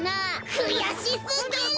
くやしすぎる！